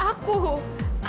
aku gak tau kenapa